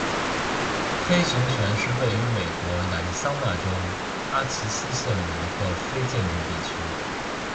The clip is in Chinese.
黑熊泉是位于美国亚利桑那州科奇斯县的一个非建制地区。